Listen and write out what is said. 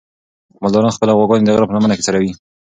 مالداران خپلې غواګانې د غره په لمنه کې څروي.